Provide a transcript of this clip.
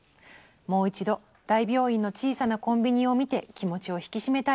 もう一度『大病院の小さなコンビニ』を見て気持ちを引き締めたいと思います」。